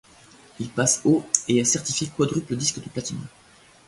Il passe au et est certifié quadruple disque de platine.